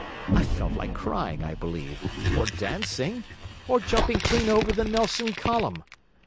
I felt like crying, I believe, or dancing, or jumping clean over the Nelson Column.